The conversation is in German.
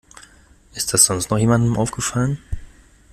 Ist das sonst noch jemandem aufgefallen?